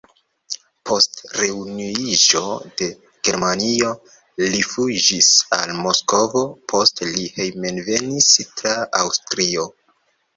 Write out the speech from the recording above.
Post reunuiĝo de Germanio, li fuĝis al Moskvo, poste li hejmenvenis tra Aŭstrio.